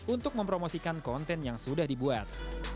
untuk mempromosikan konten yang sudah dibuat